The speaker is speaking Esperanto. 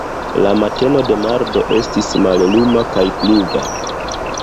La mateno de mardo estis malluma kaj pluva.